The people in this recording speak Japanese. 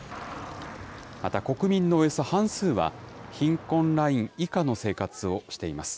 また国民のおよそ半数は、貧困ライン以下の生活をしています。